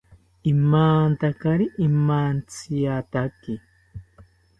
Imantakari imantziyataki